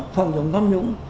phòng chống tham nhũng